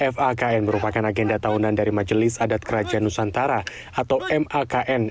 fakn merupakan agenda tahunan dari majelis adat kerajaan nusantara atau makn